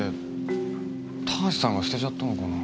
田橋さんが捨てちゃったのかな。